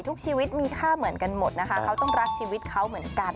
ทุกชีวิตมีค่าเหมือนกันหมดนะคะเขาต้องรักชีวิตเขาเหมือนกัน